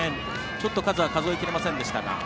数は数え切れませんでしたが。